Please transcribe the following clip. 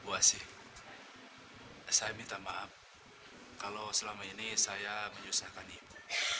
saya minta maaf kalau selama ini saya menyusahkan ibu